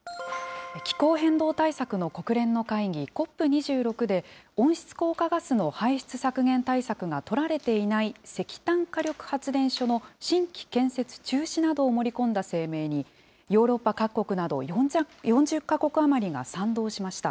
気候変動対策の国連の会議、ＣＯＰ２６で、温室効果ガスの排出削減対策が取られていない石炭火力発電所の新規建設中止などを盛り込んだ声明に、ヨーロッパ各国など４０か国余りが賛同しました。